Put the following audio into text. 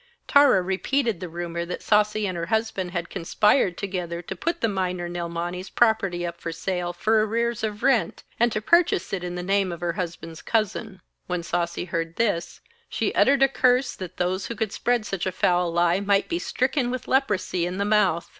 Tara repeated the rumour that Sasi and her husband had conspired together to put the minor Nilmani's property up for sale for arrears of rent, and to purchase it in the name of her husband's cousin. When Sasi heard this, she uttered a curse that those who could spread such a foul lie might be stricken with leprosy in the mouth.